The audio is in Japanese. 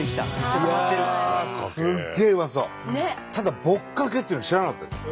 ただぼっかけっていうの知らなかったです。